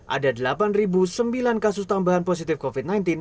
ada delapan sembilan kasus tambahan positif covid sembilan belas